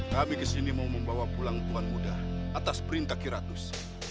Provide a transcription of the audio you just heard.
kami kesini mau membawa pulang tuhan muda atas perintah kiratus